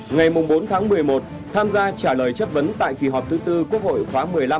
ngày bốn tháng một mươi một tham gia trả lời chất vấn tại kỳ họp thứ tư quốc hội khóa một mươi năm